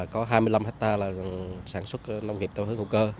có hai mươi năm hectare là sản xuất nông nghiệp theo hướng hữu cơ